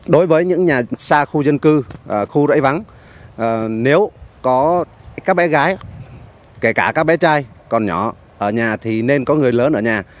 đối với những nhà xa khu dân cư khu rẫy vắng nếu có các bé gái kể cả các bé trai còn nhỏ ở nhà thì nên có người lớn ở nhà